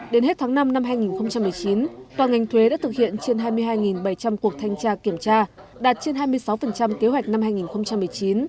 đến hết tháng năm năm hai nghìn một mươi chín toàn ngành thuế đã thực hiện trên hai mươi hai bảy trăm linh cuộc thanh tra kiểm tra đạt trên hai mươi sáu kế hoạch năm hai nghìn một mươi chín